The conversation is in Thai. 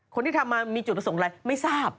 คนที่ทำมามีจุดส่งอะไรไม่ทราบ